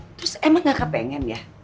terus emang gak kepengen ya